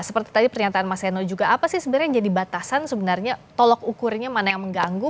seperti tadi pernyataan mas henno juga apa sih sebenarnya yang jadi batasan sebenarnya tolok ukurnya mana yang mengganggu